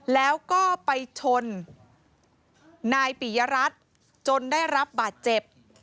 แล้วก็ไปชนนายปิยรัฐจนได้รับบาดเจ็บ